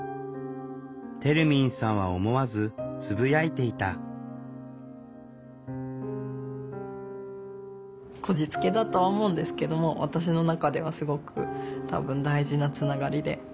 てるみんさんは思わずつぶやいていたこじつけだとは思うんですけども私の中ではすごく多分大事なつながりで。